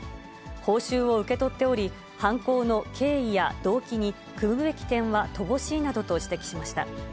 報酬を受け取っており、犯行の経緯や動機に酌むべき点は乏しいなどと指摘しました。